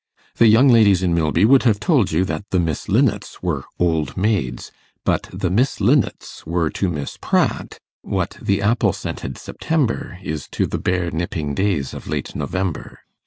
The young ladies in Milby would have told you that the Miss Linnets were old maids; but the Miss Linnets were to Miss Pratt what the apple scented September is to the bare, nipping days of late November.